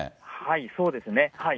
そうですね。